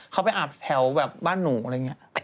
เขาไปอาบแถวแบบบ้านหนูอะไรอย่างนี้